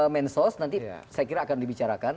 mensos nanti saya kira akan dibicarakan